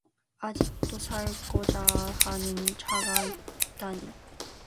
아직도 살고자 하는 자가 있다니